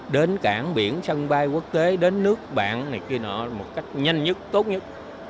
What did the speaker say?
đến cảng biển sân bay quốc tế đến nước bạn này kia nọ một cách nhanh nhất tốt nhất